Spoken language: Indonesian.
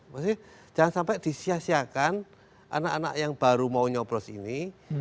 maksudnya jangan sampai disiasiakan anak anak yang baru mau nyoblos ini